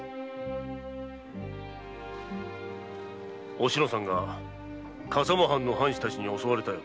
お篠さんが笠間藩の藩士たちに襲われたよ。